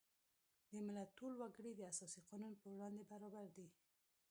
د ملت ټول وګړي د اساسي قانون په وړاندې برابر دي.